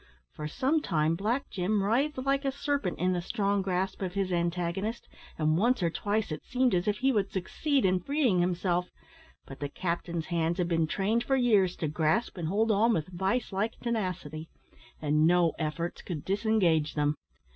For some time Black Jim writhed like a serpent in the strong grasp of his antagonist, and once or twice it seemed as if he would succeed in freeing himself, but the captain's hands had been trained for years to grasp and hold on with vice like tenacity, and no efforts could disengage them.